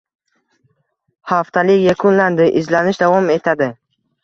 Haftalik yakunlandi: izlanish davom etadi